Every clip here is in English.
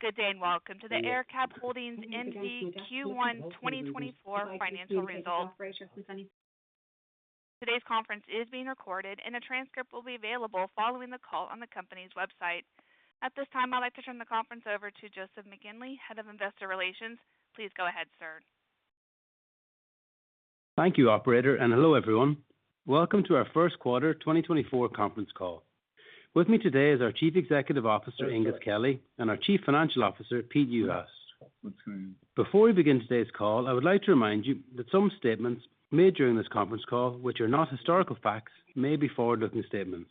Good day, and welcome to the AerCap Holdings N.V. Q1 2024 financial results. Today's conference is being recorded, and a transcript will be available following the call on the company's website. At this time, I'd like to turn the conference over to Joseph McGinley, Head of Investor Relations. Please go ahead, sir. Thank you, operator, and hello, everyone. Welcome to our first quarter 2024 conference call. With me today is our Chief Executive Officer, Aengus Kelly, and our Chief Financial Officer, Pete Juhas. Before we begin today's call, I would like to remind you that some statements made during this conference call, which are not historical facts, may be forward-looking statements.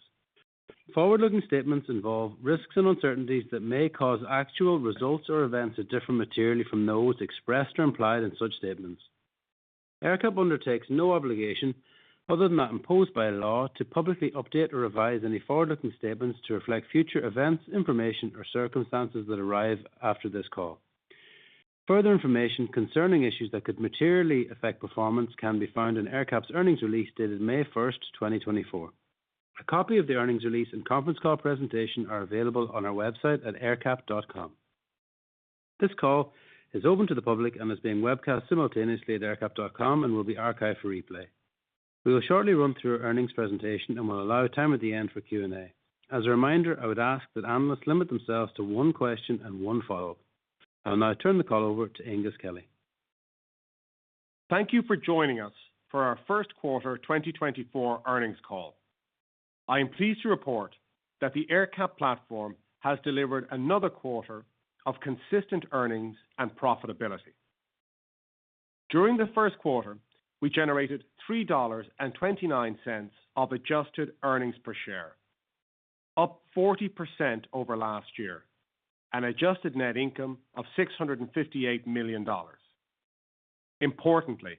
Forward-looking statements involve risks and uncertainties that may cause actual results or events to differ materially from those expressed or implied in such statements. AerCap undertakes no obligation, other than that imposed by law, to publicly update or revise any forward-looking statements to reflect future events, information, or circumstances that arrive after this call. Further information concerning issues that could materially affect performance can be found in AerCap's earnings release, dated May 1st, 2024. A copy of the earnings release and conference call presentation are available on our website at aercap.com. This call is open to the public and is being webcast simultaneously at aercap.com and will be archived for replay. We will shortly run through our earnings presentation, and we'll allow time at the end for Q&A. As a reminder, I would ask that analysts limit themselves to one question and one follow-up. I'll now turn the call over to Aengus Kelly. Thank you for joining us for our first quarter 2024 earnings call. I am pleased to report that the AerCap platform has delivered another quarter of consistent earnings and profitability. During the first quarter, we generated $3.29 of adjusted earnings per share, up 40% over last year, and adjusted net income of $658 million. Importantly,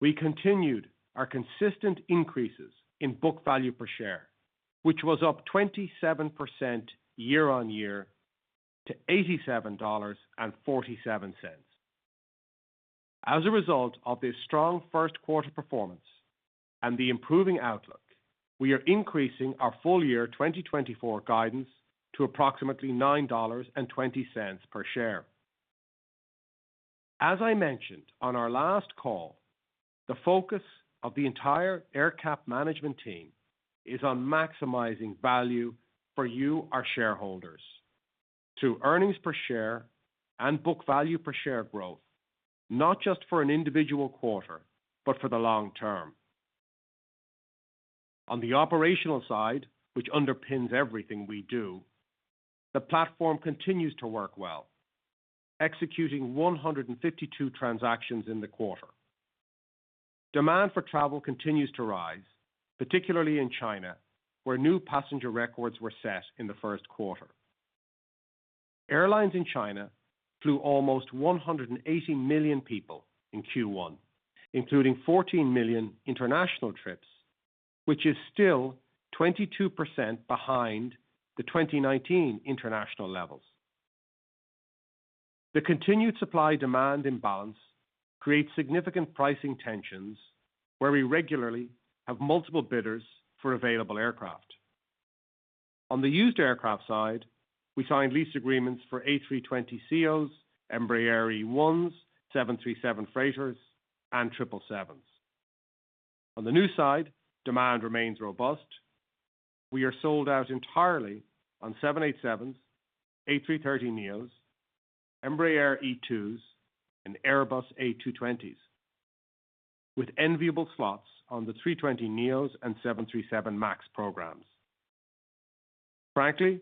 we continued our consistent increases in book value per share, which was up 27% year-on-year to $87.47. As a result of this strong first quarter performance and the improving outlook, we are increasing our full year 2024 guidance to approximately $9.20 per share. As I mentioned on our last call, the focus of the entire AerCap management team is on maximizing value for you, our shareholders, through earnings per share and book value per share growth, not just for an individual quarter, but for the long term. On the operational side, which underpins everything we do, the platform continues to work well, executing 152 transactions in the quarter. Demand for travel continues to rise, particularly in China, where new passenger records were set in the first quarter. Airlines in China flew almost 180 million people in Q1, including 14 million international trips, which is still 22% behind the 2019 international levels. The continued supply-demand imbalance creates significant pricing tensions, where we regularly have multiple bidders for available aircraft. On the used aircraft side, we signed lease agreements for A320neos, Embraer E2s, 737 freighters, and 777s. On the new side, demand remains robust. We are sold out entirely on 787s, A330neos, Embraer E2s, and Airbus A220s, with enviable slots on the 320neos and 737 MAX programs. Frankly,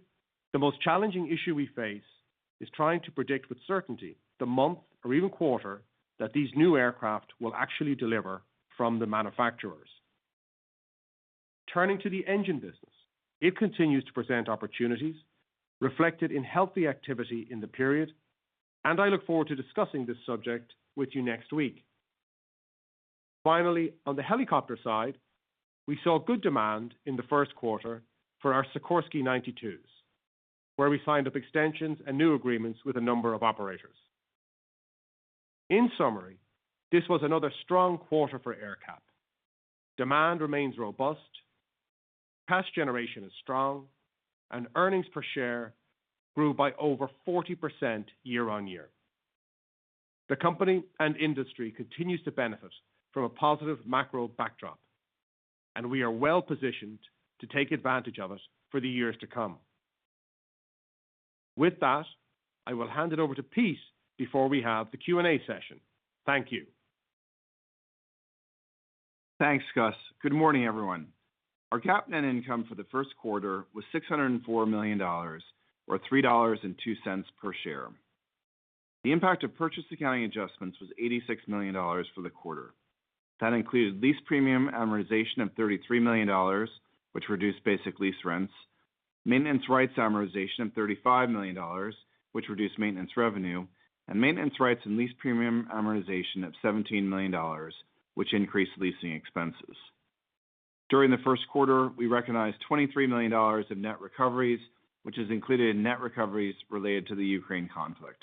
the most challenging issue we face is trying to predict with certainty the month or even quarter, that these new aircraft will actually deliver from the manufacturers. Turning to the engine business, it continues to present opportunities reflected in healthy activity in the period, and I look forward to discussing this subject with you next week. Finally, on the helicopter side, we saw good demand in the first quarter for our Sikorsky 92s, where we signed up extensions and new agreements with a number of operators. In summary, this was another strong quarter for AerCap. Demand remains robust, cash generation is strong, and earnings per share grew by over 40% year-on-year. The company and industry continues to benefit from a positive macro backdrop, and we are well-positioned to take advantage of it for the years to come. With that, I will hand it over to Pete before we have the Q&A session. Thank you. Thanks, Gus. Good morning, everyone. Our GAAP net income for the first quarter was $604 million, or $3.02 per share. The impact of purchase accounting adjustments was $86 million for the quarter. That included lease premium amortization of $33 million, which reduced basic lease rents, maintenance rights amortization of $35 million, which reduced maintenance revenue, and maintenance rights and lease premium amortization of $17 million, which increased leasing expenses. During the first quarter, we recognized $23 million in net recoveries, which is included in net recoveries related to the Ukraine conflict.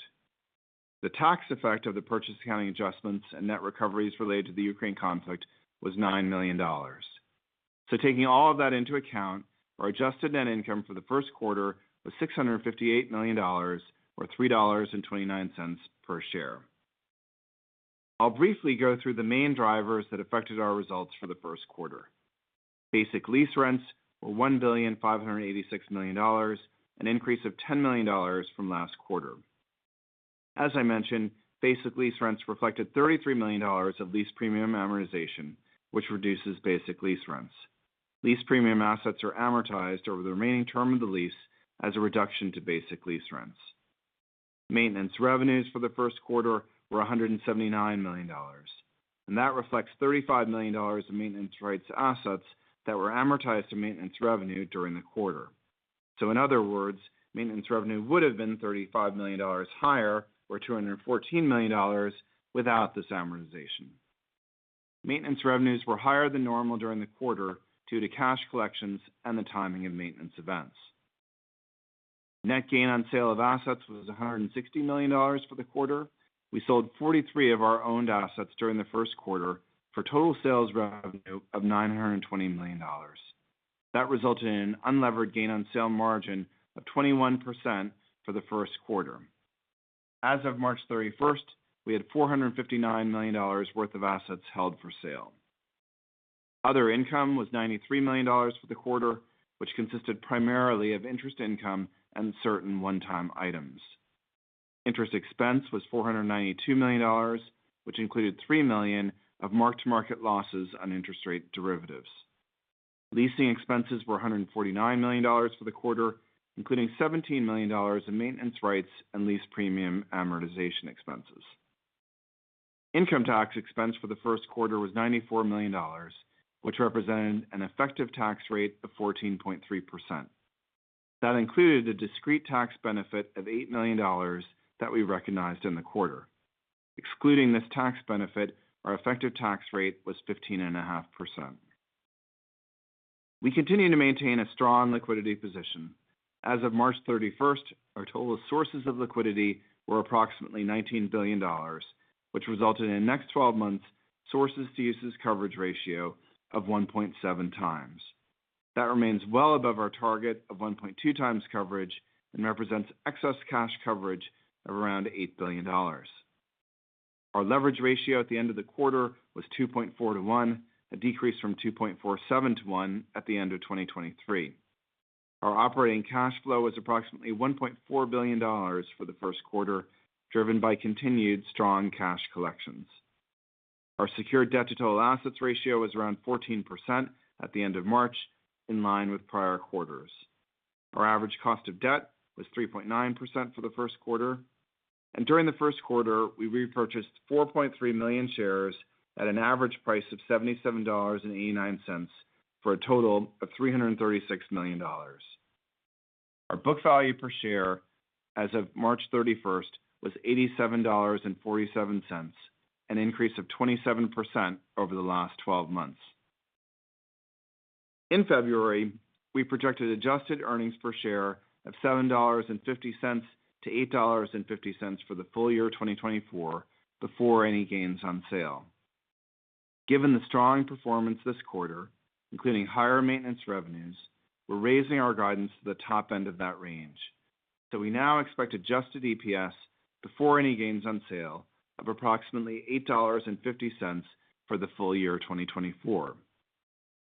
The tax effect of the purchase accounting adjustments and net recoveries related to the Ukraine conflict was $9 million. So taking all of that into account, our adjusted net income for the first quarter was $658 million, or $3.29 per share. I'll briefly go through the main drivers that affected our results for the first quarter. Basic lease rents were $1,586 million, an increase of $10 million from last quarter. As I mentioned, basic lease rents reflected $33 million of lease premium amortization, which reduces basic lease rents. Lease premium assets are amortized over the remaining term of the lease as a reduction to basic lease rents. Maintenance revenues for the first quarter were $179 million, and that reflects $35 million in maintenance rights assets that were amortized to maintenance revenue during the quarter. So in other words, maintenance revenue would have been $35 million higher, or $214 million, without this amortization. Maintenance revenues were higher than normal during the quarter due to cash collections and the timing of maintenance events. Net gain on sale of assets was $160 million for the quarter. We sold 43 of our owned assets during the first quarter for total sales revenue of $920 million. That resulted in an unlevered gain on sale margin of 21% for the first quarter. As of March 31st, we had $459 million worth of assets held for sale. Other income was $93 million for the quarter, which consisted primarily of interest income and certain one-time items. Interest expense was $492 million, which included $3 million of mark-to-market losses on interest rate derivatives. Leasing expenses were $149 million for the quarter, including $17 million in maintenance rights and lease premium amortization expenses. Income tax expense for the first quarter was $94 million, which represented an effective tax rate of 14.3%. That included a discrete tax benefit of $8 million that we recognized in the quarter. Excluding this tax benefit, our effective tax rate was 15.5%. We continue to maintain a strong liquidity position. As of March 31st, our total sources of liquidity were approximately $19 billion, which resulted in next twelve months sources to uses coverage ratio of 1.7x. That remains well above our target of 1.2x coverage and represents excess cash coverage of around $8 billion. Our leverage ratio at the end of the quarter was 2.4 to 1, a decrease from 2.47 to 1 at the end of 2023. Our operating cash flow was approximately $1.4 billion for the first quarter, driven by continued strong cash collections. Our secured debt to total assets ratio was around 14% at the end of March, in line with prior quarters. Our average cost of debt was 3.9% for the first quarter, and during the first quarter, we repurchased 4.3 million shares at an average price of $77.89, for a total of $336 million. Our book value per share as of March 31st was $87.47, an increase of 27% over the last 12 months. In February, we projected adjusted earnings per share of $7.50-$8.50 for the full year of 2024, before any gains on sale. Given the strong performance this quarter, including higher maintenance revenues, we're raising our guidance to the top end of that range. So we now expect adjusted EPS before any gains on sale of approximately $8.50 for the full year of 2024.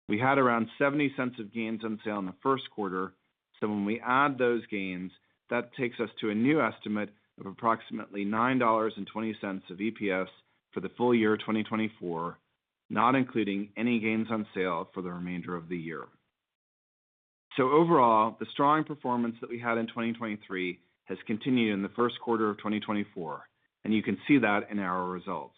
We had around $0.70 of gains on sale in the first quarter, so when we add those gains, that takes us to a new estimate of approximately $9.20 of EPS for the full year of 2024, not including any gains on sale for the remainder of the year. So overall, the strong performance that we had in 2023 has continued in the first quarter of 2024, and you can see that in our results.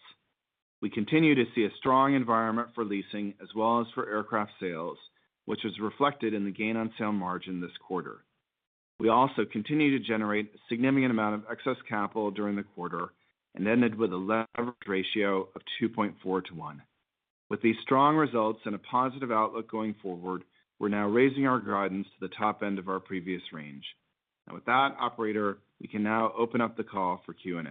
We continue to see a strong environment for leasing as well as for aircraft sales, which was reflected in the gain on sale margin this quarter. We also continue to generate a significant amount of excess capital during the quarter and ended with a leverage ratio of 2.4 to 1. With these strong results and a positive outlook going forward, we're now raising our guidance to the top end of our previous range. With that, operator, we can now open up the call for Q&A.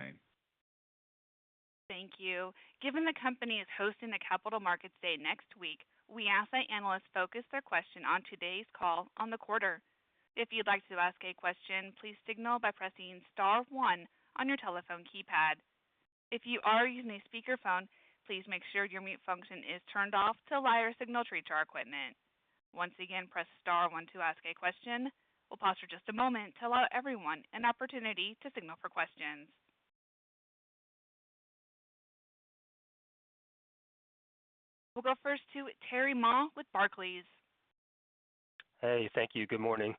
Thank you. Given the company is hosting the Capital Markets Day next week, we ask that analysts focus their question on today's call on the quarter. If you'd like to ask a question, please signal by pressing star one on your telephone keypad. If you are using a speakerphone, please make sure your mute function is turned off to allow your signal to reach our equipment. Once again, press star one to ask a question. We'll pause for just a moment to allow everyone an opportunity to signal for questions. We'll go first to Terry Ma with Barclays. Hey, thank you. Good morning.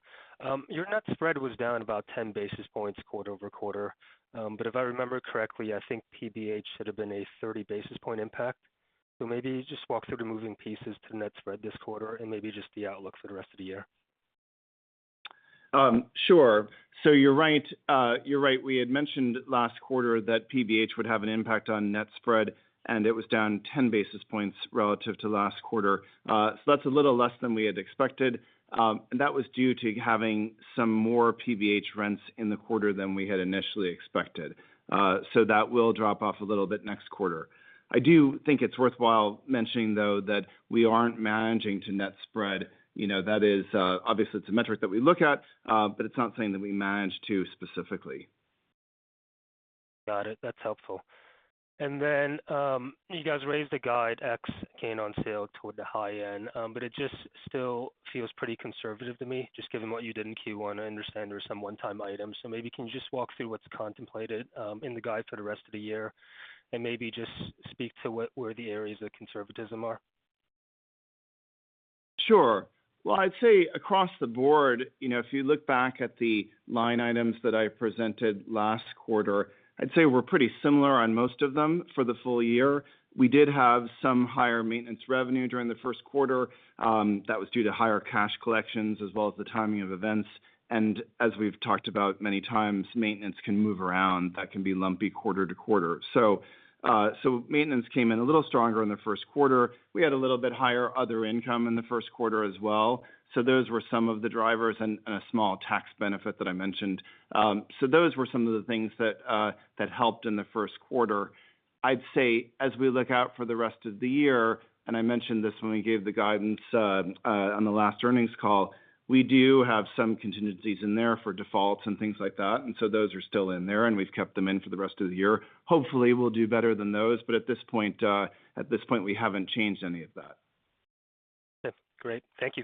Your net spread was down about 10 basis points quarter-over-quarter. But if I remember correctly, I think PBH should have been a 30 basis point impact. So maybe just walk through the moving pieces to net spread this quarter and maybe just the outlook for the rest of the year. Sure. So you're right, you're right. We had mentioned last quarter that PBH would have an impact on net spread, and it was down 10 basis points relative to last quarter. So that's a little less than we had expected. That was due to having some more PBH rents in the quarter than we had initially expected. So that will drop off a little bit next quarter. I do think it's worthwhile mentioning, though, that we aren't managing to net spread. You know, that is, obviously it's a metric that we look at, but it's not something that we manage to specifically. Got it. That's helpful. And then, you guys raised the guide ex gain on sale toward the high end, but it just still feels pretty conservative to me, just given what you did in Q1. I understand there are some one-time items, so maybe can you just walk through what's contemplated in the guide for the rest of the year, and maybe just speak to what, where the areas of conservatism are? Sure. Well, I'd say across the board, you know, if you look back at the line items that I presented last quarter, I'd say we're pretty similar on most of them for the full year. We did have some higher maintenance revenue during the first quarter. That was due to higher cash collections as well as the timing of events. And as we've talked about many times, maintenance can move around. That can be lumpy quarter to quarter. So, so maintenance came in a little stronger in the first quarter. We had a little bit higher other income in the first quarter as well. So those were some of the drivers and, and a small tax benefit that I mentioned. So those were some of the things that, that helped in the first quarter. I'd say, as we look out for the rest of the year, and I mentioned this when we gave the guidance, on the last earnings call, we do have some contingencies in there for defaults and things like that, and so those are still in there, and we've kept them in for the rest of the year. Hopefully, we'll do better than those, but at this point, at this point, we haven't changed any of that. Yeah. Great. Thank you.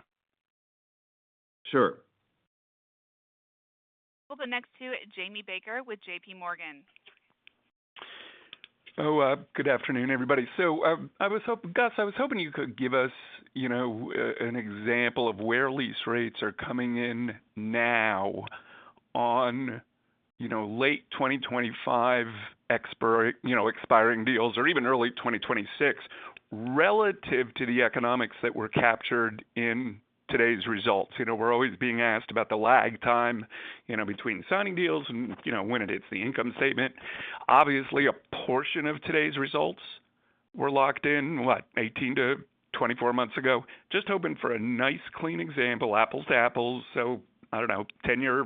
Sure. We'll go next to Jamie Baker with JPMorgan. Oh, good afternoon, everybody. So, Gus, I was hoping you could give us, you know, an example of where lease rates are coming in now on, you know, late 2025 expiring deals, or even early 2026, relative to the economics that were captured in today's results. You know, we're always being asked about the lag time, you know, between signing deals and, you know, when it hits the income statement. Obviously, a portion of today's results were locked in, what, 18 months-24 months ago? Just hoping for a nice, clean example, apples to apples, so I don't know, 10-year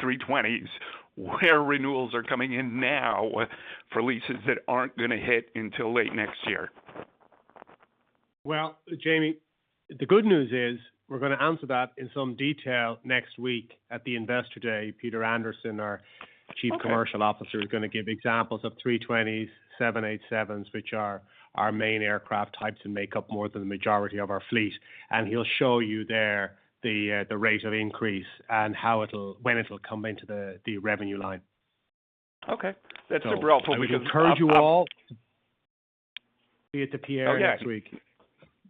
320s, where renewals are coming in now for leases that aren't gonna hit until late next year. Well, Jamie, the good news is, we're gonna answer that in some detail next week at the Investor Day. Peter Anderson, our Chief Commercial Officer- Okay. is gonna give examples of 320s, 787s, which are our main aircraft types and make up more than the majority of our fleet. And he'll show you there, the rate of increase and how it'll, when it'll come into the revenue line. Okay. That's real helpful, because. We encourage you all to be at The Pierre next week.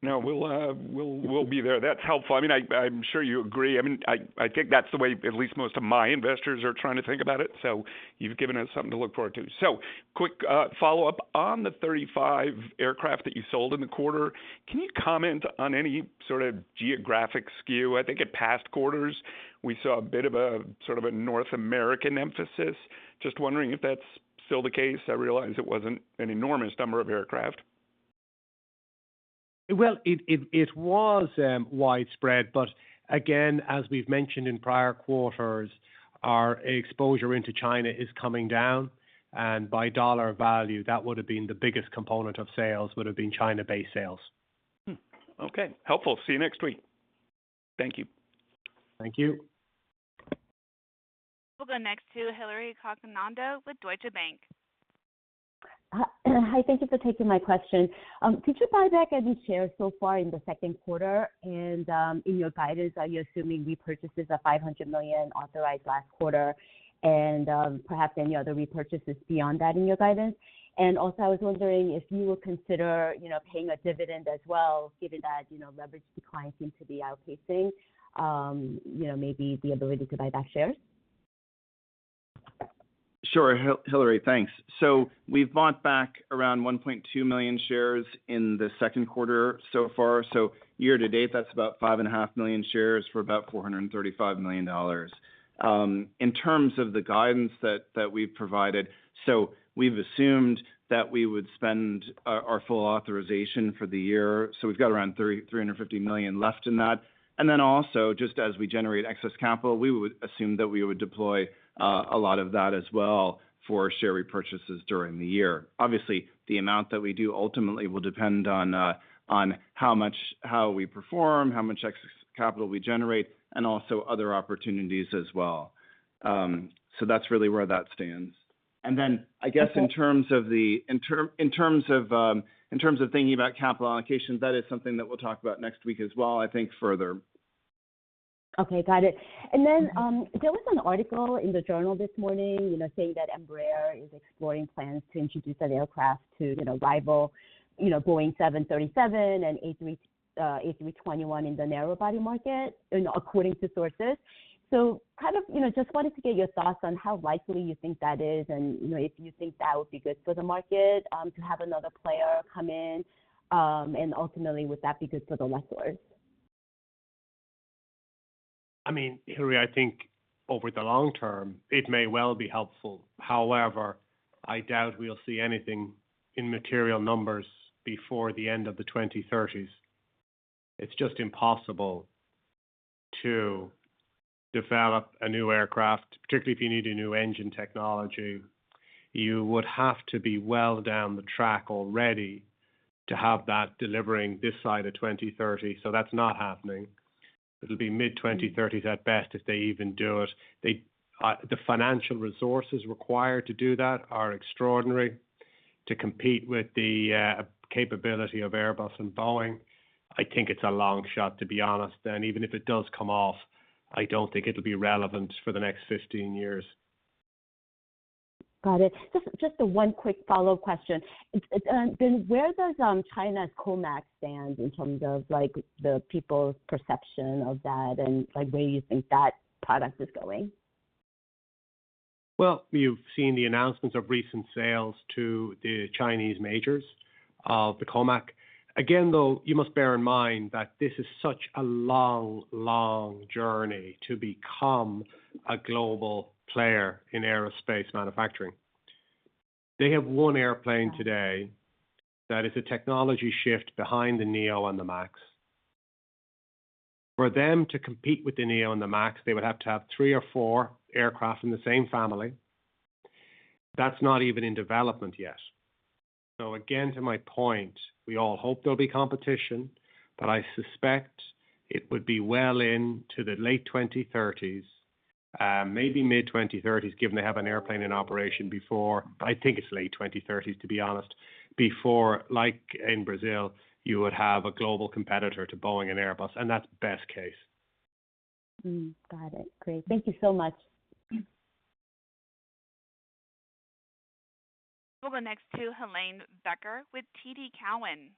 No, we'll be there. That's helpful. I mean, I'm sure you agree. I mean, I think that's the way at least most of my investors are trying to think about it. So you've given us something to look forward to. So quick follow-up. On the 35 aircraft that you sold in the quarter, can you comment on any sort of geographic skew? I think in past quarters, we saw a bit of a, sort of a North American emphasis. Just wondering if that's still the case. I realize it wasn't an enormous number of aircraft. Well, it was widespread, but again, as we've mentioned in prior quarters, our exposure into China is coming down, and by dollar value, that would have been the biggest component of sales, would have been China-based sales. Hmm. Okay. Helpful. See you next week. Thank you. Thank you. We'll go next to Hillary Cacanando with Deutsche Bank. Hi, thank you for taking my question. Could you buy back any shares so far in the second quarter? And, in your guidance, are you assuming repurchases of $500 million authorized last quarter and, perhaps any other repurchases beyond that in your guidance? And also, I was wondering if you will consider, you know, paying a dividend as well, given that, you know, leverage declines seem to be outpacing, you know, maybe the ability to buy back shares. Sure, Hillary, thanks. So we've bought back around 1.2 million shares in the second quarter so far. So year to date, that's about 5.5 million shares for about $435 million. In terms of the guidance that we've provided, so we've assumed that we would spend our full authorization for the year. So we've got around 350 million left in that. And then also, just as we generate excess capital, we would assume that we would deploy a lot of that as well for share repurchases during the year. Obviously, the amount that we do ultimately will depend on how much, how we perform, how much excess capital we generate, and also other opportunities as well. So that's really where that stands. Then I guess in terms of thinking about capital allocations, that is something that we'll talk about next week as well, I think further. Okay, got it. And then, there was an article in the journal this morning, you know, saying that Embraer is exploring plans to introduce an aircraft to, you know, rival, you know, Boeing 737 and A321 in the narrow-body market, you know, according to sources. So kind of, you know, just wanted to get your thoughts on how likely you think that is, and, you know, if you think that would be good for the market, to have another player come in, and ultimately, would that be good for the lessors? I mean, Hillary, I think over the long term, it may well be helpful. However, I doubt we'll see anything in material numbers before the end of the 2030s. It's just impossible to develop a new aircraft, particularly if you need a new engine technology. You would have to be well down the track already to have that delivering this side of 2030. So that's not happening. It'll be mid-2030s at best if they even do it. They, the financial resources required to do that are extraordinary to compete with the, capability of Airbus and Boeing. I think it's a long shot, to be honest, and even if it does come off, I don't think it'll be relevant for the next 15 years. Got it. Just, just one quick follow-up question. It's, it, then where does, China's COMAC stand in terms of, like, the people's perception of that and, like, where you think that product is going? Well, you've seen the announcements of recent sales to the Chinese majors of the COMAC. Again, though, you must bear in mind that this is such a long, long journey to become a global player in aerospace manufacturing. They have one airplane today that is a technology shift behind the neo and the MAX. For them to compete with the neo and the MAX, they would have to have three or four aircraft in the same family. That's not even in development yet. So again, to my point, we all hope there'll be competition, but I suspect it would be well into the late 2030s, maybe mid-2030s, given they have an airplane in operation before. I think it's late 2030s, to be honest, before, like in Brazil, you would have a global competitor to Boeing and Airbus, and that's best case. Mm, got it. Great. Thank you so much. We'll go next to Helane Becker with TD Cowen.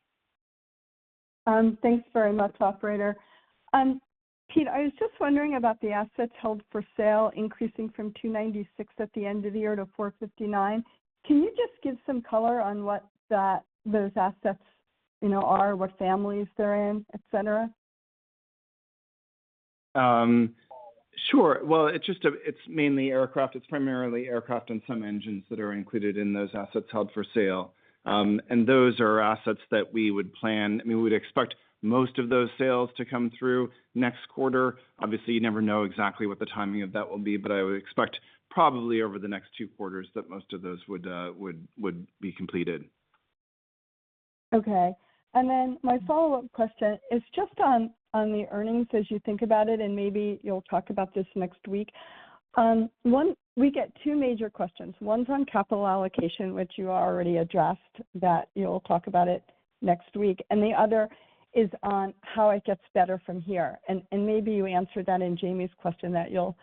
Thanks very much, operator. Pete, I was just wondering about the assets held for sale, increasing from $296 at the end of the year to $459. Can you just give some color on what that, those assets, you know, are, what families they're in, et cetera? Sure. Well, it's mainly aircraft. It's primarily aircraft and some engines that are included in those assets held for sale. And those are assets that we would plan, I mean, we'd expect most of those sales to come through next quarter. Obviously, you never know exactly what the timing of that will be, but I would expect probably over the next two quarters that most of those would, would be completed. Okay. And then my follow-up question is just on the earnings as you think about it, and maybe you'll talk about this next week. One. We get two major questions. One's on capital allocation, which you already addressed, that you'll talk about it next week, and the other is on how it gets better from here. And maybe you answered that in Jamie's question, that you'll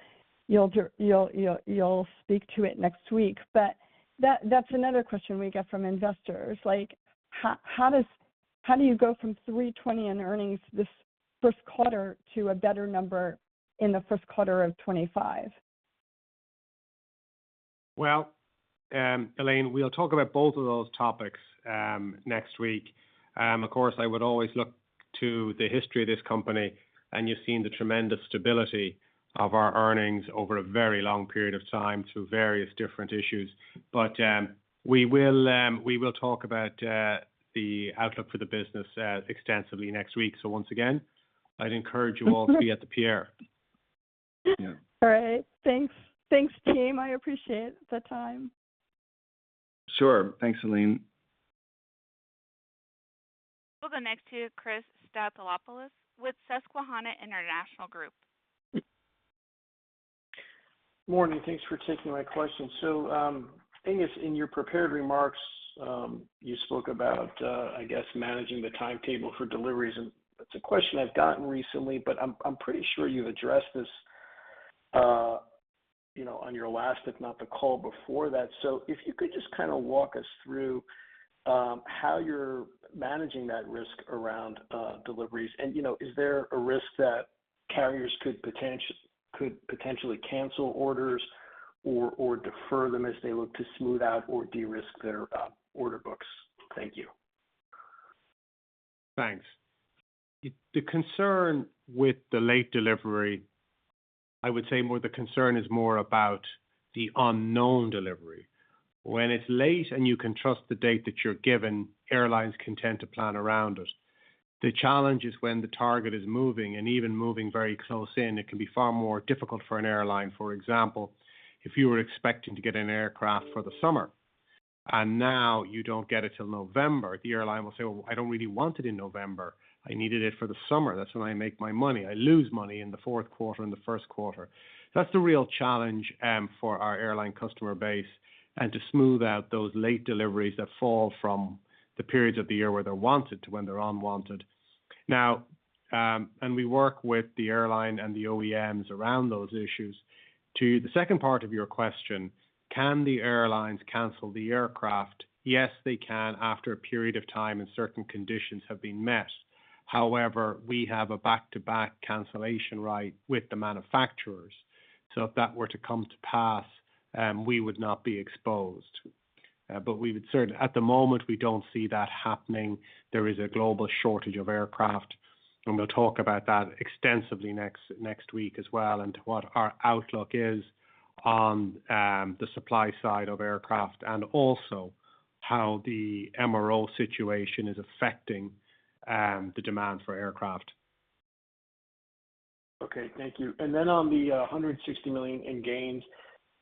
speak to it next week. But that's another question we get from investors. Like, how does, how do you go from $3.20 in earnings this first quarter to a better number in the first quarter of 2025? Well, Helane, we'll talk about both of those topics next week. Of course, I would always look to the history of this company, and you've seen the tremendous stability of our earnings over a very long period of time to various different issues. But we will, we will talk about the outlook for the business extensively next week. So once again, I'd encourage you all to be at The Pierre. All right. Thanks. Thanks, team. I appreciate the time. Sure. Thanks, Helane. We'll go next to Chris Stathoulopoulos with Susquehanna International Group. Morning. Thanks for taking my question. So, Aengus, in your prepared remarks, you spoke about, I guess, managing the timetable for deliveries, and that's a question I've gotten recently, but I'm pretty sure you've addressed this, you know, on your last, if not the call before that. So if you could just kind of walk us through, how you're managing that risk around deliveries. And, you know, is there a risk that carriers could potentially cancel orders or defer them as they look to smooth out or de-risk their order books? Thank you. Thanks. The concern with the late delivery, I would say more the concern is more about the unknown delivery. When it's late and you can trust the date that you're given, airlines can tend to plan around it. The challenge is when the target is moving, and even moving very close in, it can be far more difficult for an airline. For example, if you were expecting to get an aircraft for the summer and now you don't get it till November, the airline will say, "Well, I don't really want it in November. I needed it for the summer. That's when I make my money. I lose money in the fourth quarter and the first quarter." That's the real challenge for our airline customer base, and to smooth out those late deliveries that fall from the periods of the year where they're wanted to when they're unwanted. Now, we work with the airline and the OEMs around those issues. To the second part of your question, can the airlines cancel the aircraft? Yes, they can, after a period of time and certain conditions have been met. However, we have a back-to-back cancellation right with the manufacturers. So if that were to come to pass, we would not be exposed. But we would certainly, at the moment, we don't see that happening. There is a global shortage of aircraft, and we'll talk about that extensively next, next week as well, and what our outlook is on, the supply side of aircraft, and also how the MRO situation is affecting, the demand for aircraft. Okay, thank you. And then on the $160 million in gains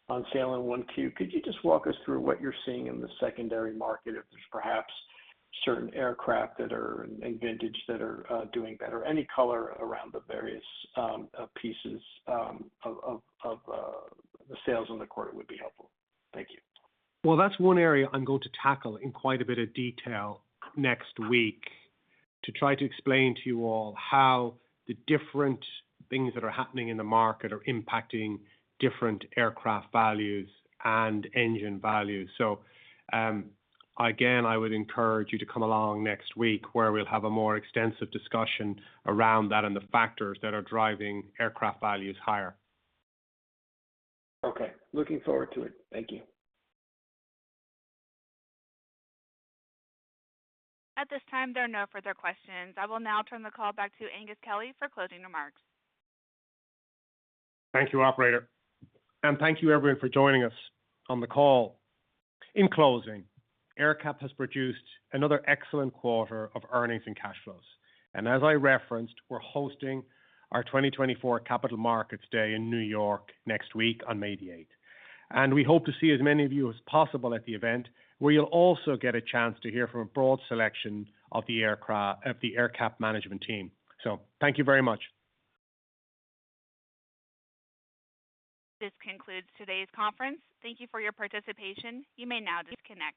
on sale in 1Q, could you just walk us through what you're seeing in the secondary market? If there's perhaps certain aircraft that are in vintage that are doing better. Any color around the various pieces of the sales in the quarter would be helpful. Thank you. Well, that's one area I'm going to tackle in quite a bit of detail next week, to try to explain to you all how the different things that are happening in the market are impacting different aircraft values and engine values. Again, I would encourage you to come along next week, where we'll have a more extensive discussion around that and the factors that are driving aircraft values higher. Okay, looking forward to it. Thank you. At this time, there are no further questions. I will now turn the call back to Aengus Kelly for closing remarks. Thank you, operator, and thank you everyone for joining us on the call. In closing, AerCap has produced another excellent quarter of earnings and cash flows. As I referenced, we're hosting our 2024 Capital Markets Day in New York next week on May the 8th. We hope to see as many of you as possible at the event, where you'll also get a chance to hear from a broad selection of the AerCap management team. So thank you very much. This concludes today's conference. Thank you for your participation. You may now disconnect.